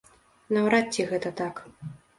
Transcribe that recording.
Наўрад ці гэта так.